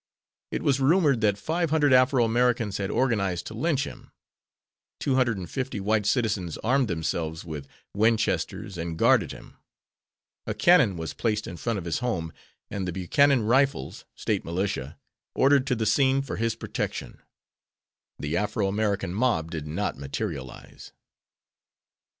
It was rumored that five hundred Afro Americans had organized to lynch him. Two hundred and fifty white citizens armed themselves with Winchesters and guarded him. A cannon was placed in front of his home, and the Buchanan Rifles (State Militia) ordered to the scene for his protection. The Afro American mob did not materialize.